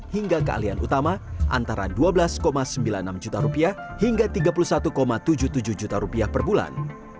hingga kealian utama antara dua belas sembilan puluh enam juta rupiah hingga tiga puluh satu tujuh puluh tujuh juta rupiah per bulan